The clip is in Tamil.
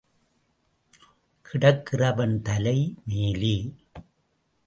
கிடக்கிறவன் தலை மேலே.